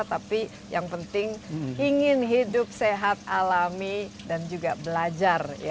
tapi yang penting ingin hidup sehat alami dan juga belajar